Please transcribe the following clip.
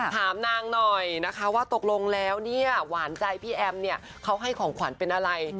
ถามนางหน่อยนะคะว่าตกลงแล้วเนี่ยหวานใจพี่แอมเนี่ยเขาให้ของขวัญเป็นอะไร